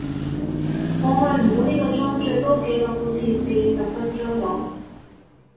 我去唔到幾個鐘，最高紀錄好似四十分鐘度